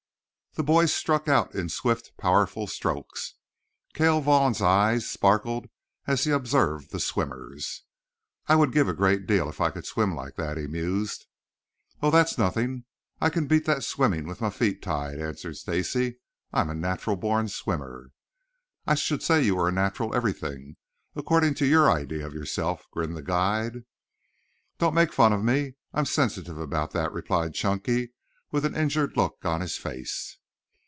The boys struck out in swift, powerful strokes. Cale Vaughn's eyes sparkled as he observed the swimmers. "I would give a great deal if I could swim like that," he mused. "Oh, that's nothing. I can beat that swimming with my feet tied," answered Stacy. "I'm a natural born swimmer." "I should say you were a natural everything, according to your idea of yourself," grinned the guide. "Don't make fun of me. I am sensitive about that," replied Chunky with an injured look on his face.